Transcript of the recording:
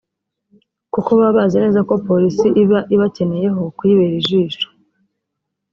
kuko baba bazi neza ko Polisi iba ibakeneyeho kuyibera ijisho